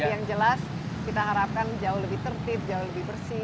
yang jelas kita harapkan jauh lebih tertib jauh lebih bersih